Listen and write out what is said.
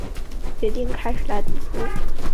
决定开始来读书